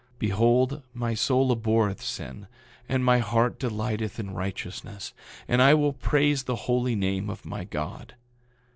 9:49 Behold, my soul abhorreth sin, and my heart delighteth in righteousness; and I will praise the holy name of my God.